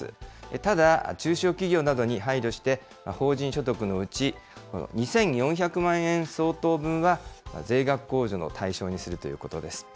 ただ、中小企業などに配慮して、法人所得のうち２４００万円相当分は税額控除の対象にするということです。